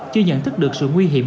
chưa nhận thức được sự nguy hiểm